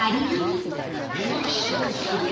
「変身する‼